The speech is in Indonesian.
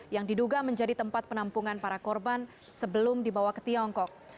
yang diduga menjadi tempat penampungan para korban sebelum dibawa ke tiongkok